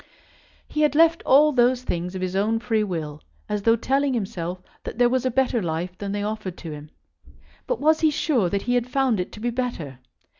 He had left all those things of his own free will, as though telling himself that there was a better life than they offered to him. But was he sure that he had found it to be better?